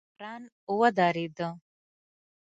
باران ودرېده